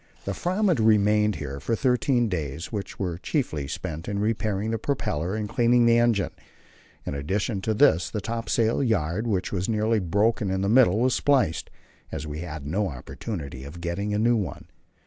The Fram remained here for thirteen days, which were chiefly spent in repairing the propeller and cleaning the engine; in addition to this the topsail yard, which was nearly broken in the middle, was spliced, as we had no opportunity of getting a new one.